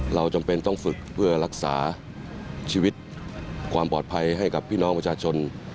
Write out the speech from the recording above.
จำเป็นต้องฝึกเพื่อรักษาชีวิตความปลอดภัยให้กับพี่น้องประชาชน